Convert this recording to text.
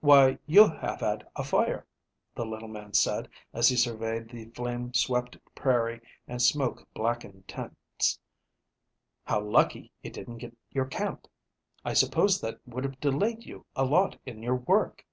"Why, you have had a fire," the little man said, as he surveyed the flame swept prairie and smoke blackened tents. "How lucky it didn't get your camp. I suppose that would have delayed you a lot in your work?"